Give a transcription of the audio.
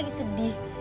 tante sekarang sedih